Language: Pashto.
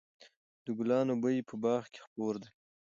د ګلانو بوی په باغ کې خپور دی.